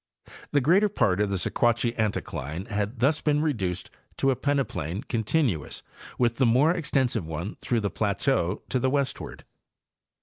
The greater part of the Sequatchie anticline had thus been reduced to a peneplain continuous with the more extensive one through the plateau to the westward.